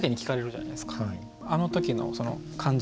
あの時のその感じ